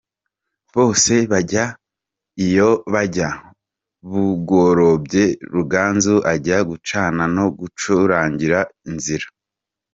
Bose bajya iyo bajya, bugorobye Ruganzu ajya gucana no gucurangira Nzira.